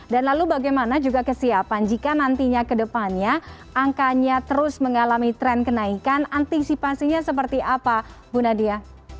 dan lalu bagaimana juga kesiapan jika nantinya ke depannya angkanya terus mengalami tren kenaikan antisipasinya seperti apa bu nadia